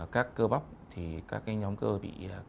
các cơ bóc thì các cái nhóm cơ bị